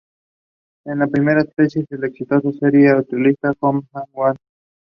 For the November tournament he was promoted to the "makushita" division.